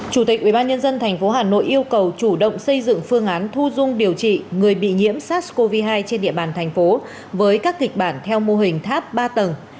chủ tịch ubnd tp hà nội yêu cầu chủ động xây dựng phương án thu dung điều trị người bị nhiễm sars cov hai trên địa bàn thành phố với các kịch bản theo mô hình tháp ba tầng